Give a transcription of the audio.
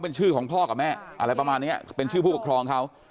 เป็นชื่อของพ่อกับแม่อะไรประมาณนี้เป็นชื่อผู้ปกครองเขา